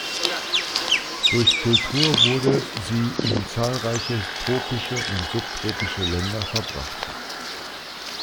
Durch Kultur wurde sie in zahlreiche tropische und subtropische Länder verbracht.